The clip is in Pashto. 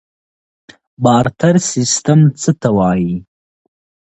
بارتر سیستم څه ته وایي؟